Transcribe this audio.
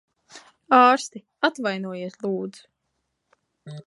Ārsti! Atvainojiet, lūdzu.